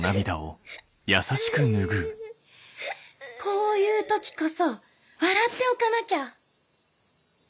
こういう時こそ笑っておかなきゃ。